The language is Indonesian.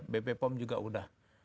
bp pom juga udah